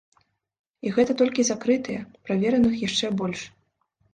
І гэта толькі закрытыя, правераных яшчэ больш.